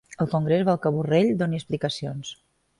El congrés vol que Borrell doni explicacions